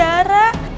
aduh aku mau bantu